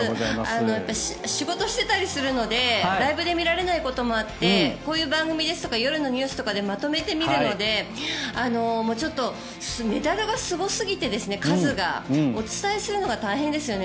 やっぱり仕事していたりするのでライブで見られないこともあってこういう番組とか夜のニュースとかでまとめて見るのでメダルの数がすごすぎてお伝えするのが大変ですよね